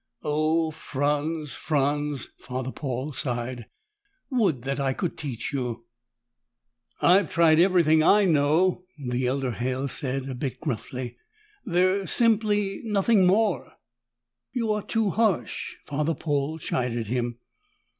"Oh, Franz, Franz," Father Paul sighed. "Would that I could teach you!" "I've tried everything I know," the elder Halle said, a bit gruffly. "There simply is nothing more." "You are too harsh," Father Paul chided him.